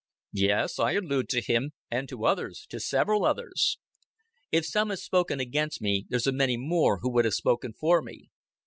"Yes, I allude to him, and to others to several others." "If some have spoken against me, there's a many more would have spoken for me."